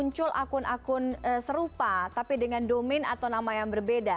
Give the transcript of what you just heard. muncul akun akun serupa tapi dengan domain atau nama yang berbeda